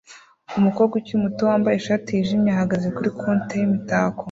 Umukobwa ukiri muto wambaye ishati yijimye ahagaze kuri compte yimitako